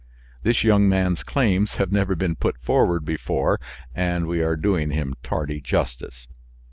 This young man's claims have never been put forward before, and we are doing him tardy justice.